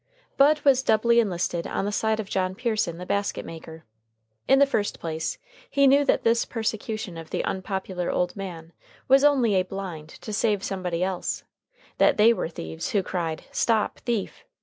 Bud was doubly enlisted on the side of John Pearson, the basket maker. In the first place, he knew that this persecution of the unpopular old man was only a blind to save somebody else; that they were thieves who cried, "Stop thief!"